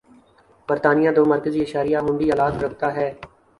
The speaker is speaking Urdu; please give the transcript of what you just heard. برطانیہ دو مرکزی اشاریہ ہُنڈی آلات رکھتا ہے